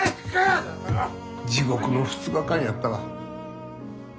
地獄の２日間やったわ。